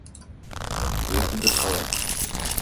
— Тек удыркалат.